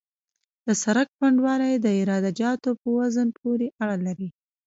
د سرک پنډوالی د عراده جاتو په وزن پورې اړه لري